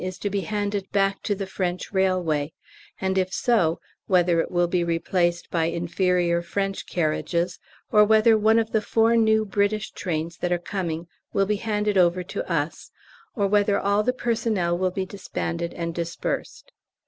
is to be handed back to the French railway; and if so, whether it will be replaced by inferior French carriages, or whether one of the four new British trains that are coming will be handed over to us, or whether all the personnel will be disbanded and dispersed.